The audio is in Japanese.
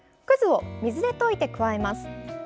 くずを水で溶いて加えます。